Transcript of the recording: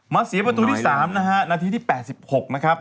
เสียประตูที่๓นะฮะนาทีที่๘๖นะครับ